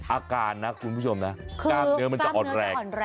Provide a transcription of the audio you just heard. อาการนะคุณผู้ชมนะกล้ามเนื้อมันจะอ่อนแรง